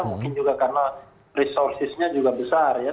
mungkin juga karena resourcesnya juga besar ya